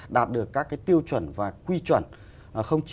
đạt được các cái tiêu chuẩn và quy chuẩn